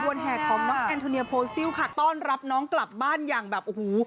แห่ของน้องแอนโทเนียโพซิลค่ะต้อนรับน้องกลับบ้านอย่างแบบโอ้โห